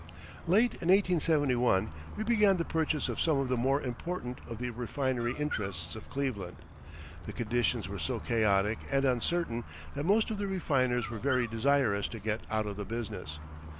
Late in 1871, we began the purchase of some of the more important of the refinery interests of Cleveland. The conditions were so chaotic and uncertain that most of the refiners were very desirous to get out of the business.